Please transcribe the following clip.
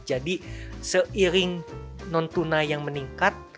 seiring non tunai yang meningkat